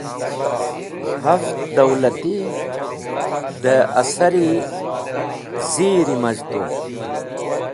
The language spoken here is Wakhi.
Haft dawlati dẽ asar-e zir-e maz̃h tu.